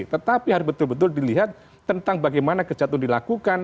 tetapi harus betul betul dilihat tentang bagaimana kejahatan itu dilakukan